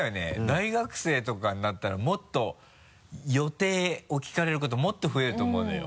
大学生とかになったらもっと予定を聞かれることもっと増えると思うのよ。